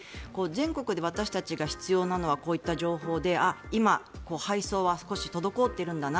全国で私たちが必要なのはこういった情報で今、配送は少し滞っているんだな